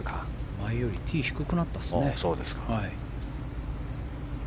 前よりティーが低くなったんですね。